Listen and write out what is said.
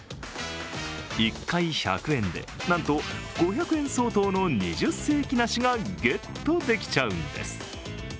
１回、１００円で、なんと５００円相当の二十世紀梨がゲットできちゃうんです。